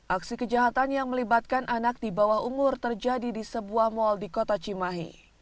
aksi kejahatan yang melibatkan anak di bawah umur terjadi di sebuah mal di kota cimahi